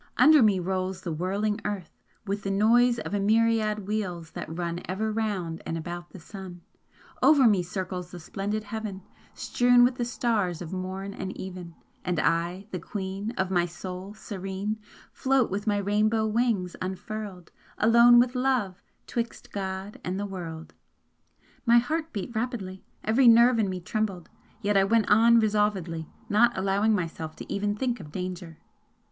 Under me rolls the whirling Earth, With the noise of a myriad wheels that run Ever round and about the Sun, Over me circles the splendid heaven, Strewn with the stars of morn and even, And I, the queen Of my soul serene, Float with my rainbow wings unfurled, Alone with Love, 'twixt God and the world! My heart beat rapidly; every nerve in me trembled yet I went on resolvedly, not allowing myself to even think of danger.